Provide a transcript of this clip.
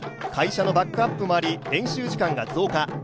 会社のバックアップもあり練習時間が増加。